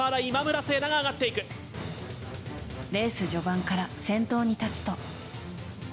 レース序盤から先頭に立つと。